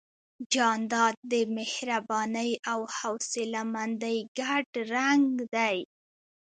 جانداد د مهربانۍ او حوصلهمندۍ ګډ رنګ دی.